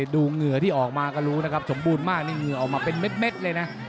เหงื่อที่ออกมาก็รู้นะครับสมบูรณ์มากนี่เหงื่อออกมาเป็นเม็ดเลยนะ